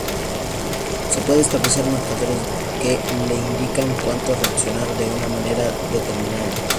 Se puede establecer marcadores que le indican cuándo reaccionar de una manera determinada.